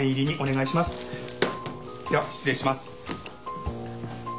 では失礼します。